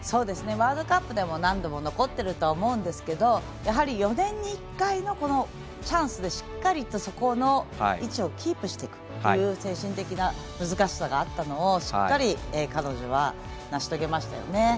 ワールドカップでも何度も残っているとは思うんですけどやはり４年に１回のチャンスでしっかりとそこの位置をキープしているという精神的な難しさがあったのをしっかり彼女は成し遂げましたよね。